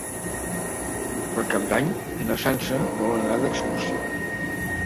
Per Cap d'Any na Sança vol anar d'excursió.